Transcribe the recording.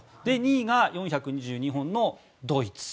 ２位が４２２本のドイツ。